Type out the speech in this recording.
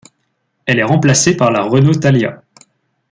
Elle est remplacée par la Renault Thalia.